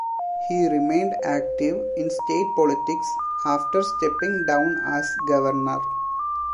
He remained active in state politics after stepping down as governor.